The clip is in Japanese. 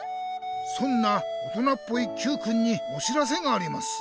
そんな大人っぽいＱくんにお知らせがあります。